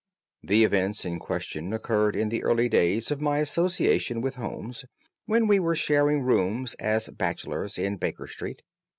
The events in question occurred in the early days of my association with Holmes, when we were sharing rooms as bachelors in Baker Street.